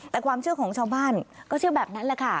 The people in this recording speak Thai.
แต่ความเชื่อของชาวบ้านก็เชื่อแบบนั้นแหละค่ะ